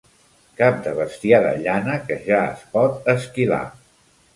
Cap de bestiar de llana que ja es pot esquilar.